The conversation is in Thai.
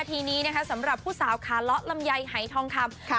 ทีนี้เนี้ยค่ะสำหรับผู้สาวคาระลำยายไหายทองครับค่ะ